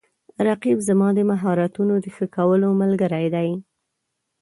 رقیب زما د مهارتونو د ښه کولو ملګری دی